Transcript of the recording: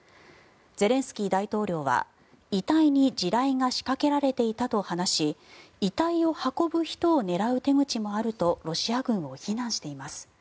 ゼレンスキー大統領は、遺体に地雷が仕掛けられていたと話し遺体を運ぶ人を狙う手口もあるとロシア軍を非難しています。